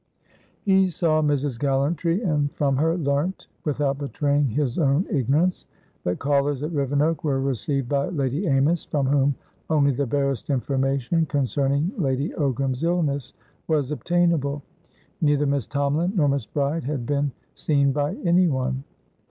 He saw Mrs. Gallantry, and from her learntwithout betraying his own ignorancethat callers at Rivenoak were received by Lady Amys, from whom only the barest information concerning Lady Ogram's illness was obtainable. Neither Miss Tomalin nor Miss Bride had been seen by anyone.